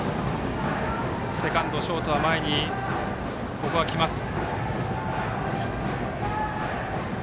セカンド、ショートは前に来ます。